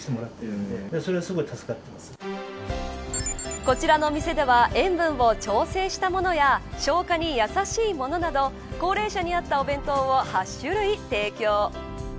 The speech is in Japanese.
こちらのお店では塩分を調整したものや消化にやさしいものなど高齢者に合ったお弁当を８種類提供。